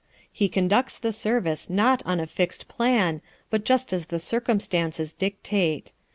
He conducts the service not on a fixed plan, but just as the circumstances dictate.